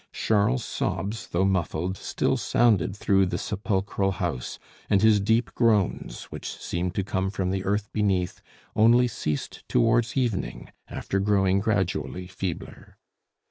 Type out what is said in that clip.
Charles's sobs, though muffled, still sounded through the sepulchral house; and his deep groans, which seemed to come from the earth beneath, only ceased towards evening, after growing gradually feebler.